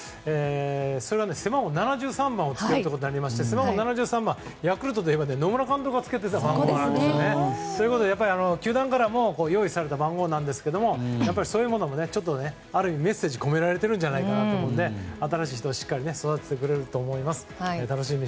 それが背番号７３番をつけることになりまして７３番といえばヤクルトといえば野村監督がつけていた番号で球団から用意された番号なんですがちょっとある意味メッセージが込められているんじゃないかなと思うので新しい人をしっかり育ててくれると思います。